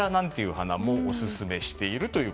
花もオススメしている